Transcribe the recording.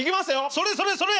それそれそれ！